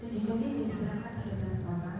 sejujurnya ini berangkat tiga belas orang